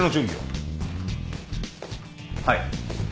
はい。